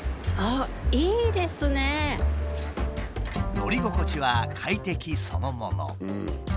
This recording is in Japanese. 乗り心地は快適そのもの。